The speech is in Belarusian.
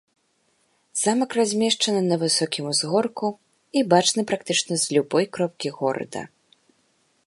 Замак размешчаны на высокім узгорку і бачны практычна з любой кропкі горада.